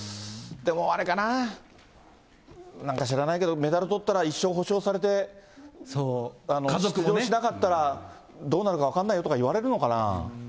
でもあれかな、なんか知らないけど、メダルとったら一生保証されて、出場しなかったらどうなるか分からないよとか言われるのかな。